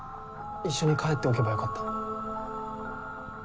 一緒に帰っておけばよかった。